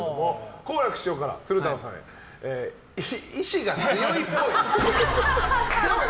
好楽師匠から鶴太郎さんへ意思が強いっぽい。